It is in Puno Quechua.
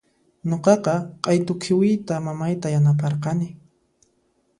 Nuqaqa q'aytu khiwiyta mamayta yanaparqani.